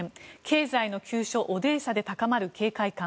経済の急所オデーサで高まる警戒感。